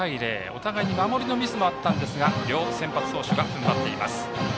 お互い守りのミスもありましたが両先発投手が踏ん張っています。